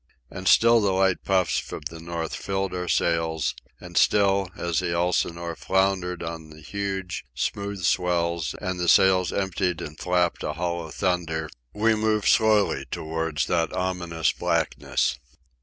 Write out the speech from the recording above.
And still the light puffs from the north filled our sails; and still, as the Elsinore floundered on the huge, smooth swells and the sails emptied and flapped a hollow thunder, we moved slowly towards that ominous blackness.